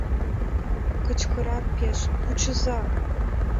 Кычкырат пеш: «Кучыза